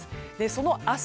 その明日